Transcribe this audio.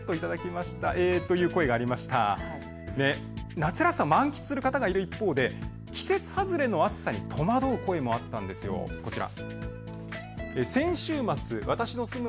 夏らしさを満喫する方がいる一方で季節外れの暑さに戸惑う声もあったんです、こちら。